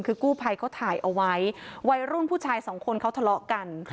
คือกู้ภัยเขาถ่ายเอาไว้วัยรุ่นผู้ชายสองคนเขาทะเลาะกัน